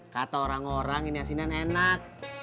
kata orang orang ini asinnya enak